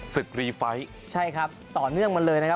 รีไฟใช่ครับต่อเนื่องมาเลยนะครับ